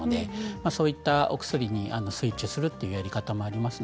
そういった薬にスイッチするというやり方もあります。